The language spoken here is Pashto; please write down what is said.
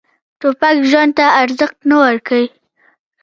توپک ژوند ته ارزښت نه ورکوي.